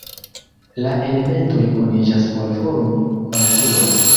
La elementoj kuniĝas por formi molekulojn.